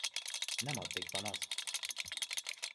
Nem addig van az!